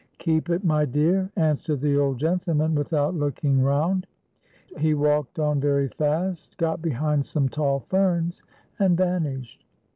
" Keep it, my dear," answered the old gentleman without looking round. He walked on very fast, got behind some tall ferns, and vanished.